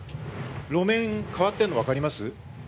路面が変わってるの、わかります？